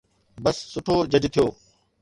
بس سٺو جج ٿيو.